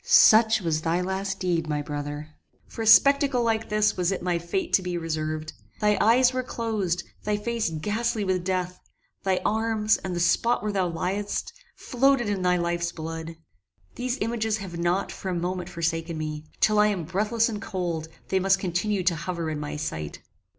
Such was thy last deed, my brother! For a spectacle like this was it my fate to be reserved! Thy eyes were closed thy face ghastly with death thy arms, and the spot where thou liedest, floated in thy life's blood! These images have not, for a moment, forsaken me. Till I am breathless and cold, they must continue to hover in my sight.